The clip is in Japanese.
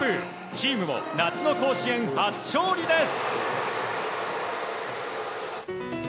チームも夏の甲子園初勝利です。